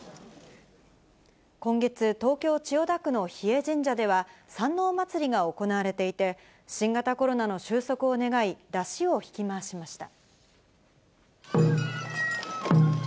今月、東京・千代田区の日枝神社では、山王祭が行われていて、新型コロナの終息を願い、山車を引き回しました。